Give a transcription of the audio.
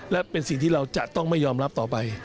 และเป็นสิ่งที่เราจะต้องไม่ยอมรับต่อไป